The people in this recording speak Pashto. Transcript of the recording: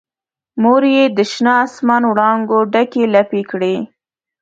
مور یې د شنه اسمان دوړانګو ډکې لپې کړي